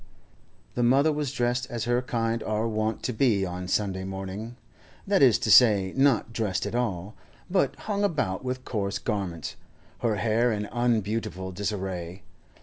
The mother was dressed as her kind are wont to be on Sunday morning—that is to say, not dressed at all, but hung about with coarse garments, her hair in unbeautiful disarray.